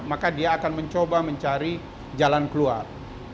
maka dia akan mencoba mencari jalan keluar